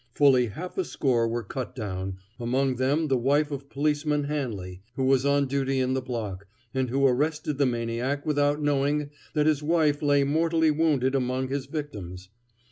Fully half a score were cut down, among them the wife of Policeman Hanley, who was on duty in the block, and who arrested the maniac without knowing that his wife lay mortally wounded among his victims.